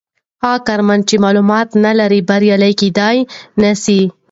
هغه کارمند چې معلومات نلري بریالی کیدای نسي.